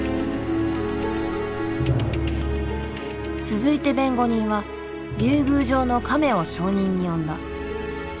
続いて弁護人は竜宮城のカメを証人に呼んだ。